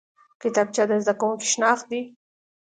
کتابچه د زده کوونکي شناخت دی